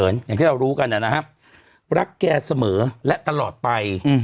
อย่างที่เรารู้กันนะครับรักแกเสมอและตลอดไป